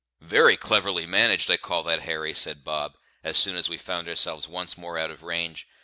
"Very cleverly managed, I call that, Harry," said Bob, as soon as we found ourselves once more out of range.